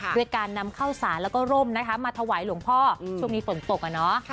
ด้วยการนำข้าวสารแล้วก็ร่มนะคะมาถวายหลวงพ่อช่วงนี้ฝนตกอ่ะเนาะ